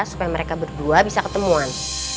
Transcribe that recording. supaya mereka berdua bisa ketemuan